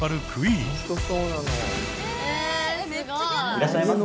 いらっしゃいませ。